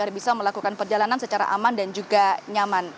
dan juga bisa melakukan perjalanan secara aman dan juga nyaman